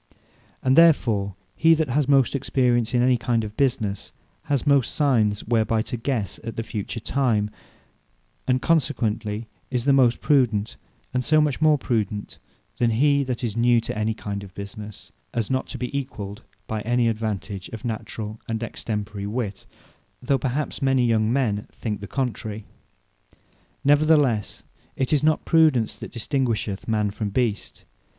And therefore he that has most experience in any kind of businesse, has most Signes, whereby to guesse at the Future time, and consequently is the most prudent: And so much more prudent than he that is new in that kind of business, as not to be equalled by any advantage of naturall and extemporary wit: though perhaps many young men think the contrary. Neverthelesse it is not Prudence that distinguisheth man from beast.